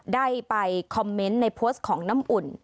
ได้ไปคอมเมนต์ในโพสต์ของน้ำอุ่น